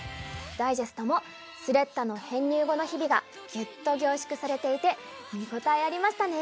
ダイジェストもスレッタの編入後の日々がぎゅっと凝縮されていて見応えありましたね。